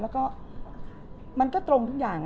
แล้วก็มันก็ตรงทุกอย่าง